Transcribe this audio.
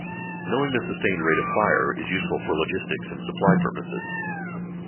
Knowing the sustained rate of fire is useful for logistics and supply purposes.